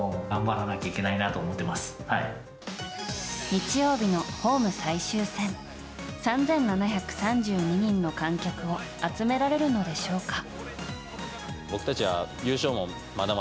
日曜日のホーム最終戦３７３２人の観客を集められるのでしょうか。